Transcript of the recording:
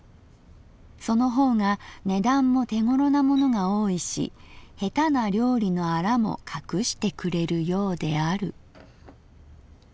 その方が値段も手ごろなものが多いし下手な料理のアラもかくしてくれるようである」。